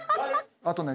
あとね